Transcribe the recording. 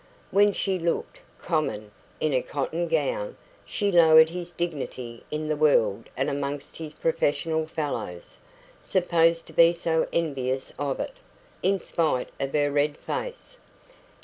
When she looked "common" in a cotton gown, she lowered his dignity in the world and amongst his professional fellows supposed to be so envious of it, in spite of her red face.